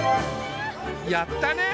やったね！